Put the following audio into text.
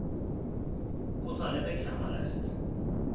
او طالب کمال است.